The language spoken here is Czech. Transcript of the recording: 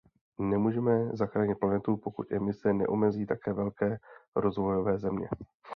Nemůžeme zachránit planetu, pokud emise neomezí také velké rozvojové země.